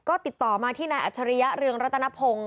ก็ติดต่อมาที่นายอัจฉริยะเรืองรัตนพงศ์